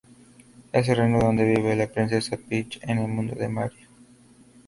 Es el reino donde vive la Princesa Peach en el mundo de "Mario".